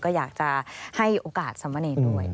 ก็อยากจะให้โอกาสสมเนรด้วย